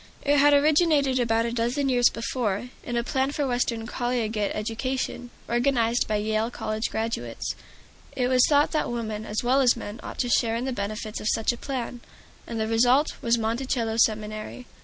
It had originated about a dozen years before, in a plan for Western collegiate education, organized by Yale College graduates. It was thought that women as well as men ought to share in the benefits of such a plan, and the result was Monticello Seminary.